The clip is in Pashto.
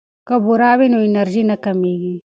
که بوره وي نو انرژي نه کمیږي.